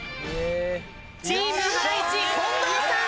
チームハライチ近藤さん